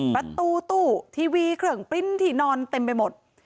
ประตูตู้ทีวีเครื่องปริ้นต์ที่นอนเต็มไปหมด